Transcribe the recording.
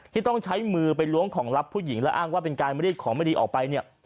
ที่ต้องใช้มือไปล้วงของลับผู้หญิงและอ้างว่าเป็นการรีดของไม่ดีออกไปเนี่ย